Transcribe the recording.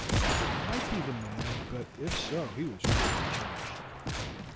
It might be the man, but if so, he was greatly changed.